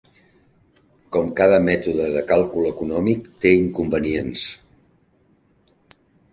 Com cada mètode de càlcul econòmic té inconvenients.